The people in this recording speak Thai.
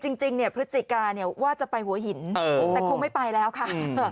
จริงเนี่ยพฤศจิกาเนี่ยว่าจะไปหัวหินแต่คงไม่ไปแล้วค่ะ